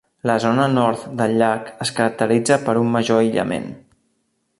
La zona nord del llac es caracteritza per un major aïllament.